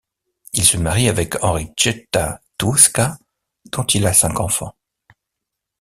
Il se marie avec Enrichetta Toesca dont il a cinq enfants.